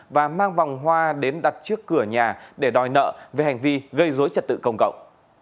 và mang vòng hoa đến đặt trước cửa nhà để đòi nợ về hành vi gây dối trật tự công cộng